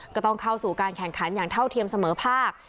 ก็ต้องเข้าสู่การแข่งขันอย่างเท่าเทียมเสมอภาค